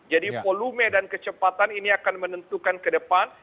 jadi volume dan kecepatan ini akan menentukan ke depan